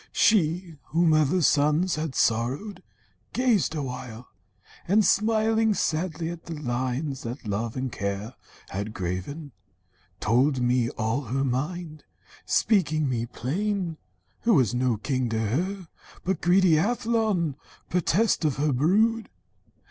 She, Whom other sons had sorrowed, gazed awhile, And smiling sadly at the lines that Love And Care had graven, told me all her mind, Speaking me plain, who was no king to her, But greedy Athlon, pertest of her brood.